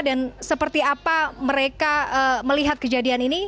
dan seperti apa mereka melihat kejadian ini